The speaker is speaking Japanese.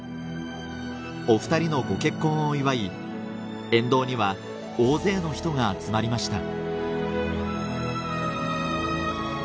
お２人のご結婚を祝い沿道には大勢の人が集まりました